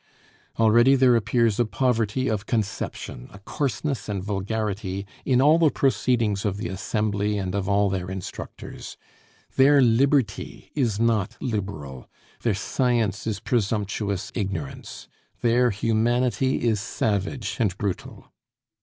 Already there appears a poverty of conception, a coarseness and vulgarity, in all the proceedings of the Assembly and of all their instructors. Their liberty is not liberal. Their science is presumptuous ignorance. Their humanity is savage and brutal.